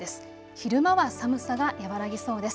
昼間は寒さが和らぎそうです。